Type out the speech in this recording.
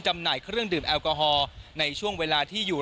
หน่ายเครื่องดื่มแอลกอฮอล์ในช่วงเวลาที่อยู่